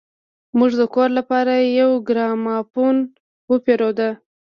موږ د کور لپاره يو ګرامافون وپېرود.